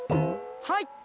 はい。